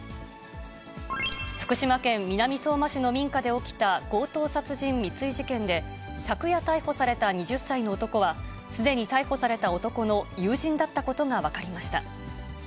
福島県南相馬市の民家で起きた強盗殺人未遂事件で、昨夜逮捕された２０歳の男は、すでに逮捕された男の友人だったことが分かりま